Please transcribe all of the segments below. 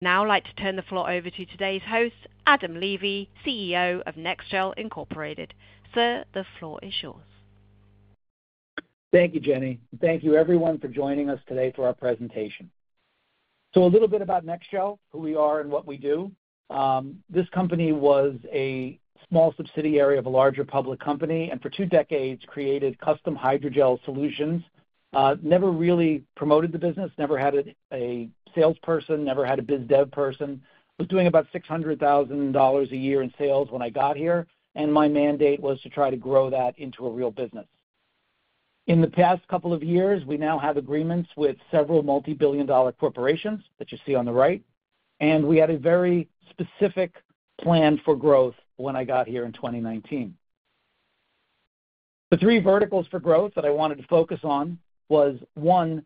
Now I'd like to turn the floor over to today's host, Adam Levy, CEO of NEXGEL Incorporated. Sir, the floor is yours. Thank you, Jenny. Thank you, everyone, for joining us today for our presentation. So a little bit about NEXGEL, who we are and what we do. This company was a small subsidiary of a larger public company and, for two decades, created custom hydrogel solutions. Never really promoted the business, never had a salesperson, never had a biz dev person. Was doing about $600,000 a year in sales when I got here, and my mandate was to try to grow that into a real business. In the past couple of years, we now have agreements with several multi-billion dollar corporations that you see on the right, and we had a very specific plan for growth when I got here in 2019. The three verticals for growth that I wanted to focus on were: one,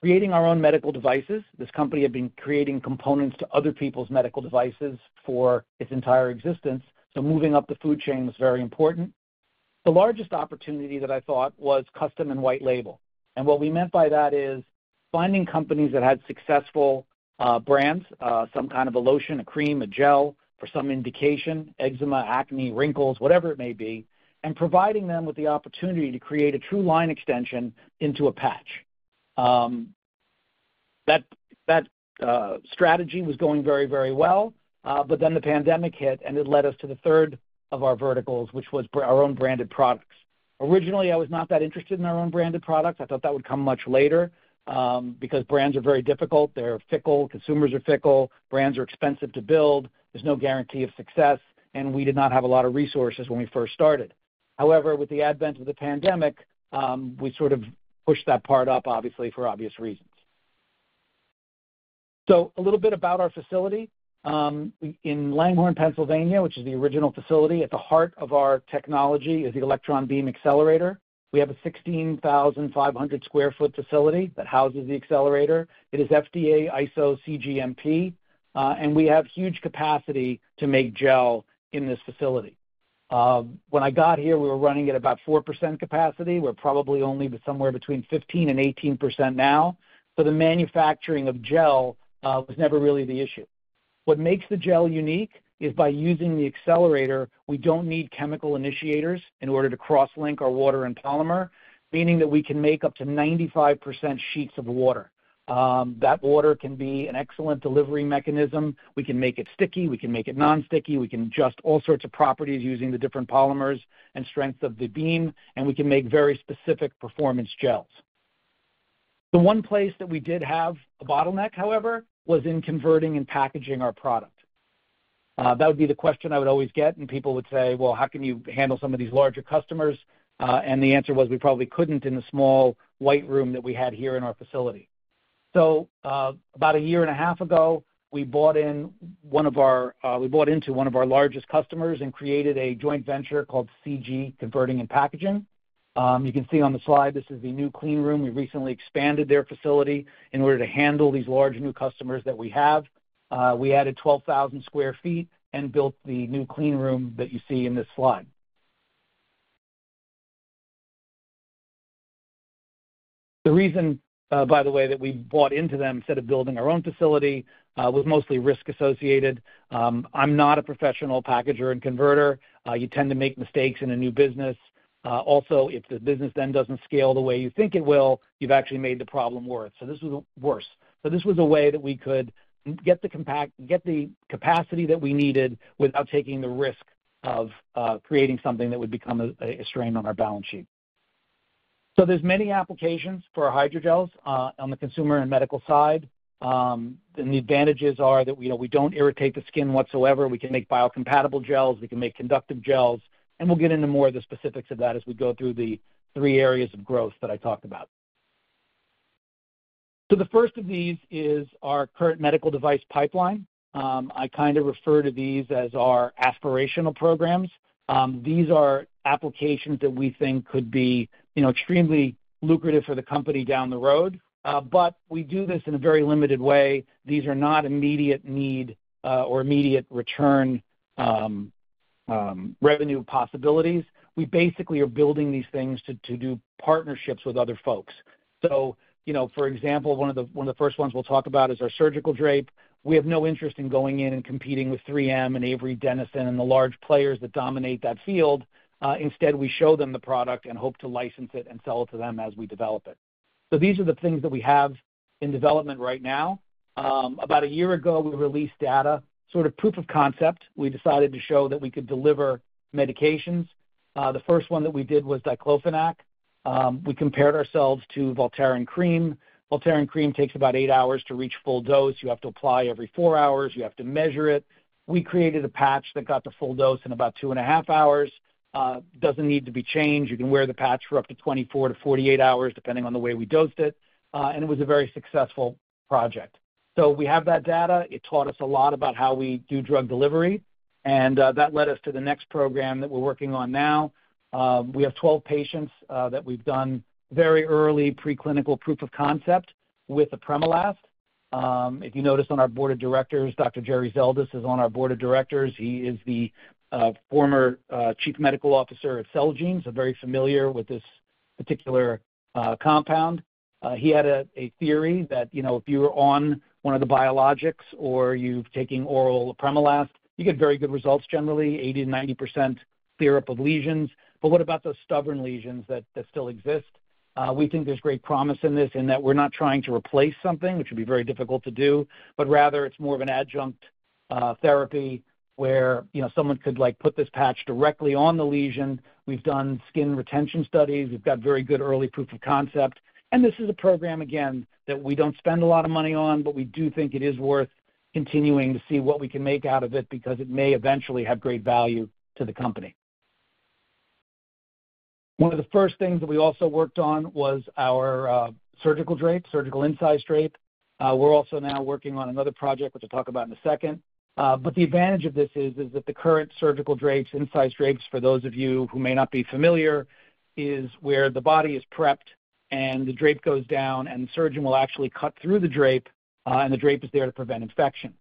creating our own medical devices. This company had been creating components to other people's medical devices for its entire existence, so moving up the food chain was very important. The largest opportunity that I thought was custom and white label. And what we meant by that is finding companies that had successful brands, some kind of a lotion, a cream, a gel for some indication - eczema, acne, wrinkles, whatever it may be - and providing them with the opportunity to create a true line extension into a patch. That strategy was going very, very well, but then the pandemic hit, and it led us to the third of our verticals, which was our own branded products. Originally, I was not that interested in our own branded products. I thought that would come much later because brands are very difficult. They're fickle. Consumers are fickle. Brands are expensive to build. There's no guarantee of success, and we did not have a lot of resources when we first started. However, with the advent of the pandemic, we sort of pushed that part up, obviously, for obvious reasons. So a little bit about our facility. In Langhorne, Pennsylvania, which is the original facility, at the heart of our technology is the electron beam accelerator. We have a 16,500 sq ft facility that houses the accelerator. It is FDA, ISO, cGMP, and we have huge capacity to make gel in this facility. When I got here, we were running at about 4% capacity. We're probably only somewhere between 15%-18% now, so the manufacturing of gel was never really the issue. What makes the gel unique is, by using the accelerator, we don't need chemical initiators in order to cross-link our water and polymer, meaning that we can make up to 95% sheets of water. That water can be an excellent delivery mechanism. We can make it sticky. We can make it non-sticky. We can adjust all sorts of properties using the different polymers and strength of the beam, and we can make very specific performance gels. The one place that we did have a bottleneck, however, was in converting and packaging our product. That would be the question I would always get, and people would say, "Well, how can you handle some of these larger customers?" And the answer was we probably couldn't in the small white room that we had here in our facility. About a year and a half ago, we bought into one of our largest customers and created a joint venture called CG Converting and Packaging. You can see on the slide. This is the new clean room. We recently expanded their facility in order to handle these large new customers that we have. We added 12,000 sq ft and built the new clean room that you see in this slide. The reason, by the way, that we bought into them instead of building our own facility was mostly risk associated. I'm not a professional packager and converter. You tend to make mistakes in a new business. Also, if the business then doesn't scale the way you think it will, you've actually made the problem worse. This was worse. So this was a way that we could get the capacity that we needed without taking the risk of creating something that would become a strain on our balance sheet. So there's many applications for hydrogels on the consumer and medical side. And the advantages are that we don't irritate the skin whatsoever. We can make biocompatible gels. We can make conductive gels. And we'll get into more of the specifics of that as we go through the three areas of growth that I talked about. So the first of these is our current medical device pipeline. I kind of refer to these as our aspirational programs. These are applications that we think could be extremely lucrative for the company down the road, but we do this in a very limited way. These are not immediate need or immediate return revenue possibilities. We basically are building these things to do partnerships with other folks, so, for example, one of the first ones we'll talk about is our surgical drape. We have no interest in going in and competing with 3M and Avery Dennison and the large players that dominate that field. Instead, we show them the product and hope to license it and sell it to them as we develop it, so these are the things that we have in development right now. About a year ago, we released data, sort of proof of concept. We decided to show that we could deliver medications. The first one that we did was diclofenac. We compared ourselves to Voltaren Cream. Voltaren Cream takes about eight hours to reach full dose. You have to apply every four hours. You have to measure it. We created a patch that got to full dose in about two and a half hours. It doesn't need to be changed. You can wear the patch for up to 24 to 48 hours, depending on the way we dosed it, and it was a very successful project, so we have that data. It taught us a lot about how we do drug delivery, and that led us to the next program that we're working on now. We have 12 patients that we've done very early preclinical proof of concept with apremilast. If you notice on our board of directors, Dr. Jerry Zeldis is on our board of directors. He is the former Chief Medical Officer at Celgene, very familiar with this particular compound. He had a theory that if you were on one of the biologics or you're taking oral apremilast, you get very good results generally, 80%-90% clear up of lesions. But what about those stubborn lesions that still exist? We think there's great promise in this in that we're not trying to replace something, which would be very difficult to do, but rather it's more of an adjunct therapy where someone could put this patch directly on the lesion. We've done skin retention studies. We've got very good early proof of concept. And this is a program, again, that we don't spend a lot of money on, but we do think it is worth continuing to see what we can make out of it because it may eventually have great value to the company. One of the first things that we also worked on was our surgical drape, surgical incise drape. We're also now working on another project, which I'll talk about in a second, but the advantage of this is that the current surgical drapes, incise drapes, for those of you who may not be familiar, is where the body is prepped and the drape goes down, and the surgeon will actually cut through the drape, and the drape is there to prevent infection.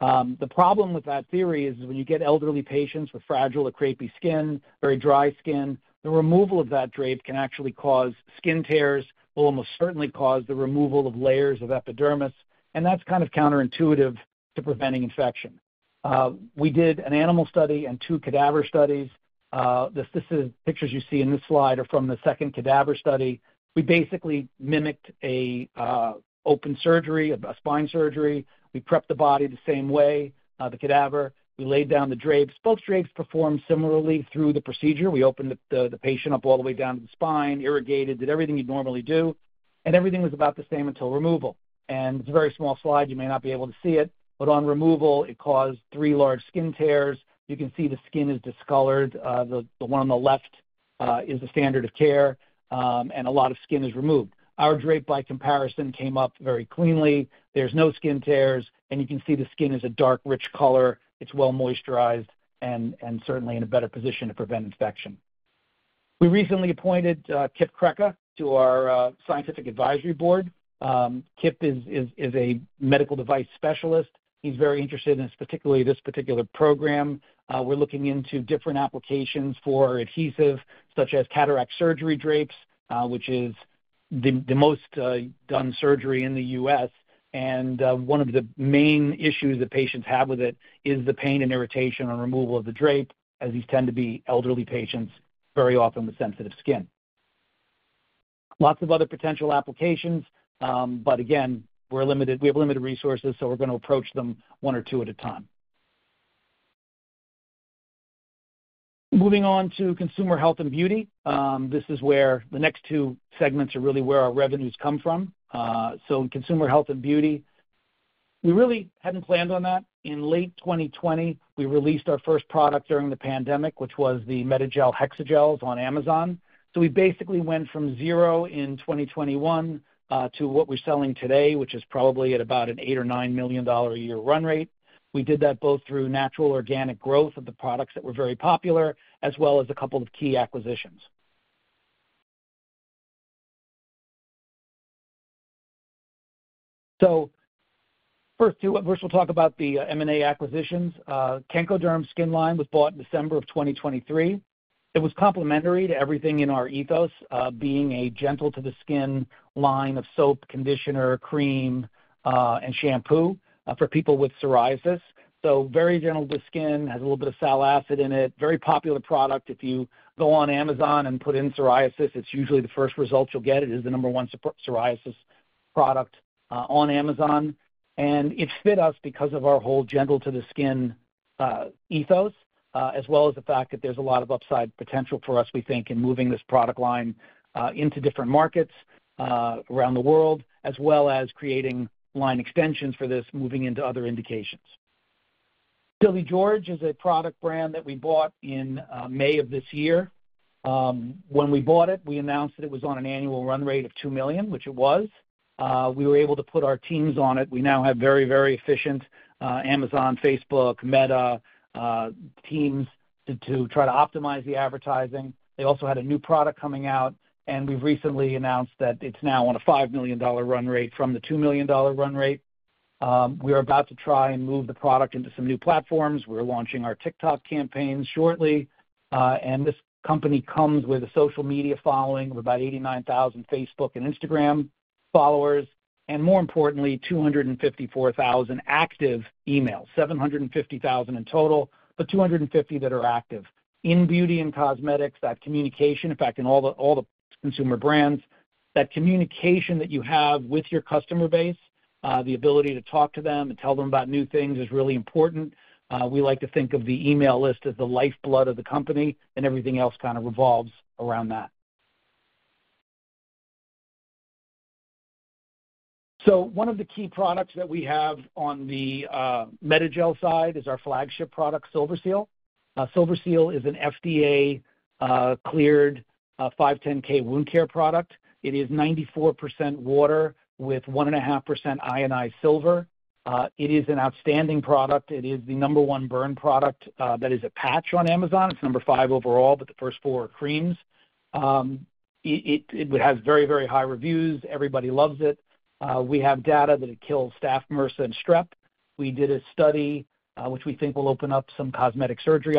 The problem with that theory is when you get elderly patients with fragile or crepey skin, very dry skin, the removal of that drape can actually cause skin tears, will almost certainly cause the removal of layers of epidermis, and that's kind of counterintuitive to preventing infection. We did an animal study and two cadaver studies. The pictures you see in this slide are from the second cadaver study. We basically mimicked an open surgery, a spine surgery. We prepped the body the same way, the cadaver. We laid down the drapes. Both drapes performed similarly through the procedure. We opened the patient up all the way down to the spine, irrigated, did everything you'd normally do, and everything was about the same until removal. And it's a very small slide. You may not be able to see it, but on removal, it caused three large skin tears. You can see the skin is discolored. The one on the left is the standard of care, and a lot of skin is removed. Our drape, by comparison, came up very cleanly. There's no skin tears, and you can see the skin is a dark, rich color. It's well moisturized and certainly in a better position to prevent infection. We recently appointed Kip Crecca to our scientific advisory board. Kip is a medical device specialist. He's very interested in this particular program. We're looking into different applications for adhesive, such as cataract surgery drapes, which is the most done surgery in the U.S., and one of the main issues that patients have with it is the pain and irritation on removal of the drape, as these tend to be elderly patients, very often with sensitive skin. Lots of other potential applications, but again, we have limited resources, so we're going to approach them one or two at a time. Moving on to consumer health and beauty, this is where the next two segments are really where our revenues come from, so consumer health and beauty, we really hadn't planned on that. In late 2020, we released our first product during the pandemic, which was the MEDAGEL HexaGels on Amazon. We basically went from zero in 2021 to what we're selling today, which is probably at about an $8 million or $9 million a year run rate. We did that both through natural organic growth of the products that were very popular, as well as a couple of key acquisitions. First, we'll talk about the M&A acquisitions. Kenkoderm Skin Line was bought in December of 2023. It was complementary to everything in our ethos, being a gentle-to-the-skin line of soap, conditioner, cream, and shampoo for people with psoriasis. Very gentle-to-the-skin, has a little bit of salicylic acid in it. Very popular product. If you go on Amazon and put in psoriasis, it's usually the first result you'll get. It is the number one psoriasis product on Amazon. And it fit us because of our whole gentle-to-the-skin ethos, as well as the fact that there's a lot of upside potential for us, we think, in moving this product line into different markets around the world, as well as creating line extensions for this moving into other indications. Silly George is a product brand that we bought in May of this year. When we bought it, we announced that it was on an annual run rate of $2 million, which it was. We were able to put our teams on it. We now have very, very efficient Amazon, Facebook, Meta teams to try to optimize the advertising. They also had a new product coming out, and we've recently announced that it's now on a $5 million run rate from the $2 million run rate. We are about to try and move the product into some new platforms. We're launching our TikTok campaign shortly, and this company comes with a social media following of about 89,000 Facebook and Instagram followers, and more importantly, 254,000 active emails, 750,000 in total, but 250 that are active. In beauty and cosmetics, that communication, in fact, in all the consumer brands, that communication that you have with your customer base, the ability to talk to them and tell them about new things is really important. We like to think of the email list as the lifeblood of the company, and everything else kind of revolves around that, so one of the key products that we have on the MEDAGEL side is our flagship product, SilverSeal. SilverSeal is an FDA-cleared 510(k) wound care product. It is 94% water with 1.5% ionized silver. It is an outstanding product. It is the number one burn product that is a patch on Amazon. It's number five overall, but the first four are creams. It has very, very high reviews. Everybody loves it. We have data that it kills staph, MRSA, and strep. We did a study which we think will open up some cosmetic surgery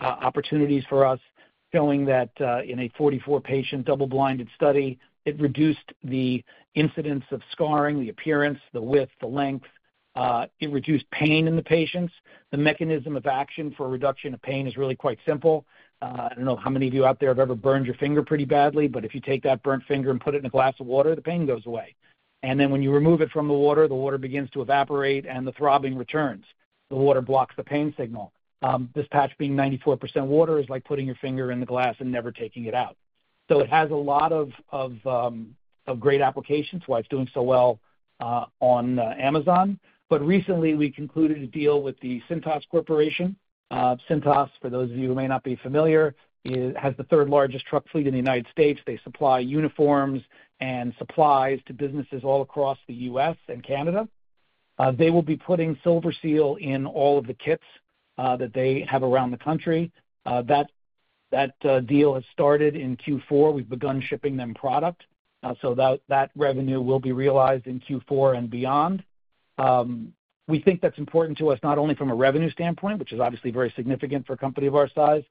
opportunities for us, showing that in a 44-patient double-blinded study, it reduced the incidence of scarring, the appearance, the width, the length. It reduced pain in the patients. The mechanism of action for reduction of pain is really quite simple. I don't know how many of you out there have ever burned your finger pretty badly, but if you take that burnt finger and put it in a glass of water, the pain goes away. And then when you remove it from the water, the water begins to evaporate, and the throbbing returns. The water blocks the pain signal. This patch being 94% water is like putting your finger in the glass and never taking it out. So it has a lot of great applications. Why it's doing so well on Amazon. But recently, we concluded a deal with the Cintas Corporation. Cintas, for those of you who may not be familiar, has the third largest truck fleet in the United States. They supply uniforms and supplies to businesses all across the U.S. and Canada. They will be putting SilverSeal in all of the kits that they have around the country. That deal has started in Q4. We've begun shipping them product. So that revenue will be realized in Q4 and beyond. We think that's important to us, not only from a revenue standpoint, which is obviously very significant for a company of our size,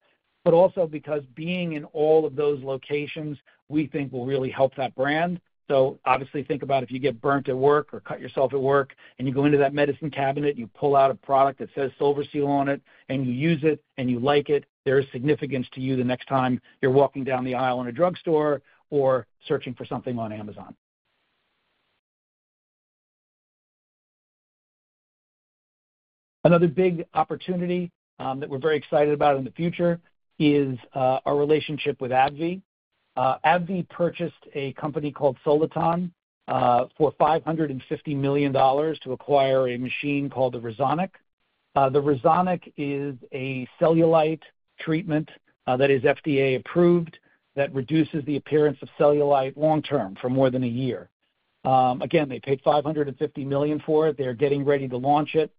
but also because being in all of those locations, we think will really help that brand. So obviously, think about if you get burnt at work or cut yourself at work, and you go into that medicine cabinet and you pull out a product that says SilverSeal on it, and you use it and you like it, there is significance to you the next time you're walking down the aisle in a drugstore or searching for something on Amazon. Another big opportunity that we're very excited about in the future is our relationship with AbbVie. AbbVie purchased a company called Soliton for $550 million to acquire a machine called the Resonic. The Resonic is a cellulite treatment that is FDA-approved that reduces the appearance of cellulite long-term for more than a year. Again, they paid $550 million for it. They are getting ready to launch it.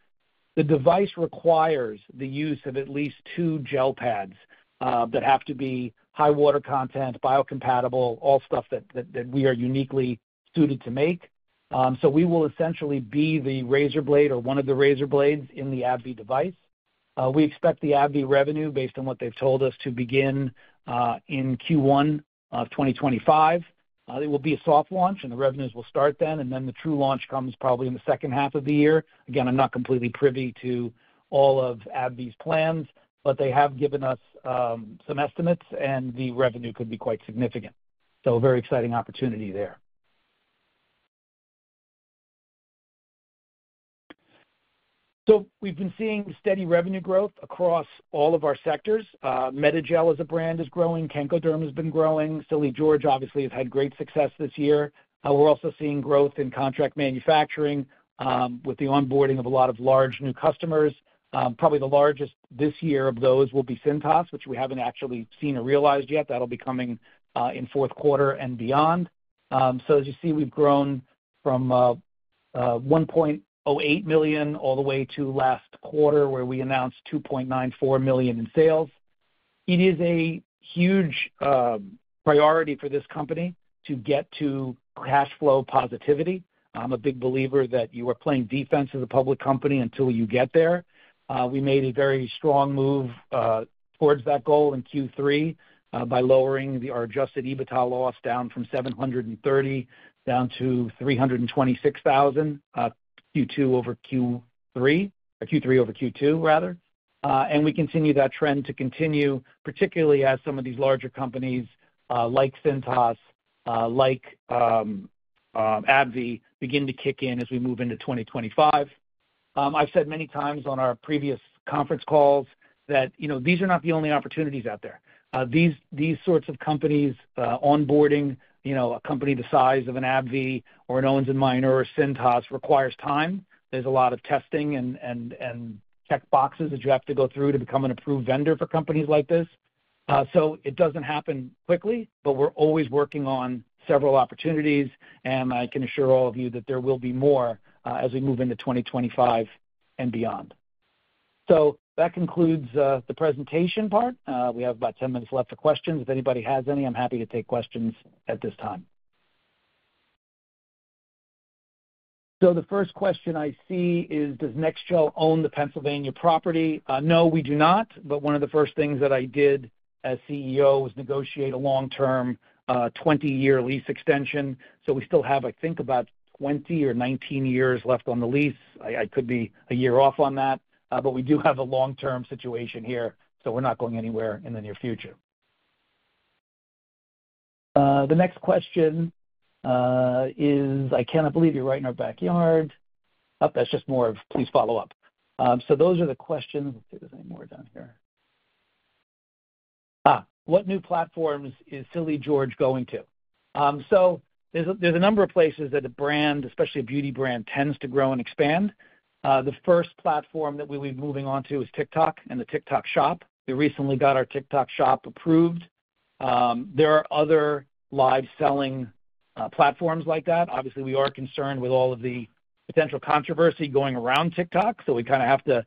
The device requires the use of at least two gel pads that have to be high water content, biocompatible, all stuff that we are uniquely suited to make. So we will essentially be the razor blade or one of the razor blades in the AbbVie device. We expect the AbbVie revenue, based on what they've told us, to begin in Q1 of 2025. It will be a soft launch, and the revenues will start then. And then the true launch comes probably in the second half of the year. Again, I'm not completely privy to all of AbbVie's plans, but they have given us some estimates, and the revenue could be quite significant. So a very exciting opportunity there. So we've been seeing steady revenue growth across all of our sectors. MEDAGEL as a brand is growing. Kenkoderm has been growing. Silly George, obviously, has had great success this year. We're also seeing growth in contract manufacturing with the onboarding of a lot of large new customers. Probably the largest this year of those will be Cintas, which we haven't actually seen or realized yet. That'll be coming in fourth quarter and beyond. So as you see, we've grown from $1.08 million all the way to last quarter, where we announced $2.94 million in sales. It is a huge priority for this company to get to cash flow positivity. I'm a big believer that you are playing defense as a public company until you get there. We made a very strong move towards that goal in Q3 by lowering our adjusted EBITDA loss down from $730,000 down to $326,000 Q2 over Q3, or Q3 over Q2, rather. And we continue that trend to continue, particularly as some of these larger companies like Cintas, like AbbVie begin to kick in as we move into 2025. I've said many times on our previous conference calls that these are not the only opportunities out there. These sorts of companies, onboarding a company the size of an AbbVie or an Owens & Minor or Cintas requires time. There's a lot of testing and checkboxes that you have to go through to become an approved vendor for companies like this. So it doesn't happen quickly, but we're always working on several opportunities, and I can assure all of you that there will be more as we move into 2025 and beyond. That concludes the presentation part. We have about 10 minutes left for questions. If anybody has any, I'm happy to take questions at this time. The first question I see is, does NEXGEL own the Pennsylvania property? No, we do not. But one of the first things that I did as CEO was negotiate a long-term 20-year lease extension. So we still have, I think, about 20 or 19 years left on the lease. I could be a year off on that, but we do have a long-term situation here, so we're not going anywhere in the near future. The next question is, I cannot believe you're right in our backyard. Oh, that's just more of please follow up. So those are the questions. Let's see if there's any more down here. What new platforms is Silly George going to? So there's a number of places that a brand, especially a beauty brand, tends to grow and expand. The first platform that we'll be moving on to is TikTok and the TikTok Shop. We recently got our TikTok Shop approved. There are other live-selling platforms like that. Obviously, we are concerned with all of the potential controversy going around TikTok, so we kind of have to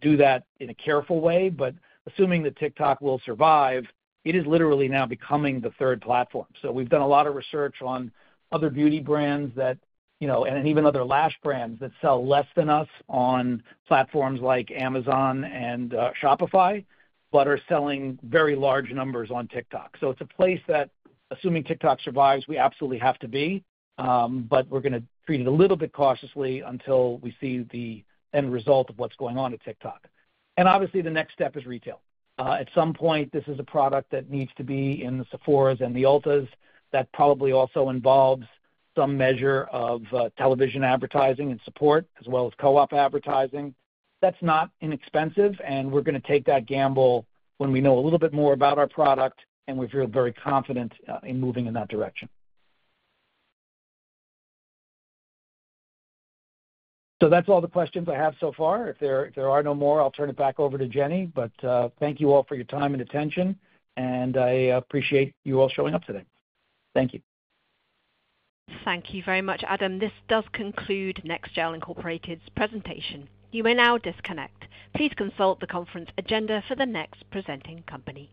do that in a careful way. But assuming that TikTok will survive, it is literally now becoming the third platform. So we've done a lot of research on other beauty brands and even other lash brands that sell less than us on platforms like Amazon and Shopify, but are selling very large numbers on TikTok. So it's a place that, assuming TikTok survives, we absolutely have to be, but we're going to treat it a little bit cautiously until we see the end result of what's going on at TikTok. And obviously, the next step is retail. At some point, this is a product that needs to be in the Sephora's and the Ulta's. That probably also involves some measure of television advertising and support, as well as co-op advertising. That's not inexpensive, and we're going to take that gamble when we know a little bit more about our product, and we feel very confident in moving in that direction. So that's all the questions I have so far. If there are no more, I'll turn it back over to Jenny, but thank you all for your time and attention, and I appreciate you all showing up today. Thank you. Thank you very much, Adam. This does conclude NEXGEL Incorporated's presentation. You may now disconnect. Please consult the conference agenda for the next presenting company.